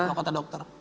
apa kata dokter